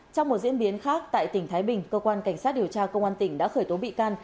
trong một diễn biến khác tại tỉnh thái bình cơ quan cảnh sát điều tra công an tỉnh đã khởi tố bị can